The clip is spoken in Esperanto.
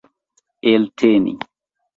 elteni